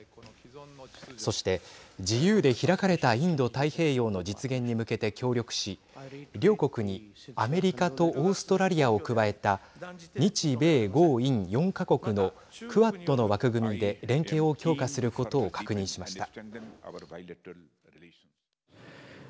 そして自由で開かれたインド太平洋の実現に向けて協力し両国にアメリカとオーストラリアを加えた日米豪印４か国のクアッドの枠組みで連携を強化することを確認しました。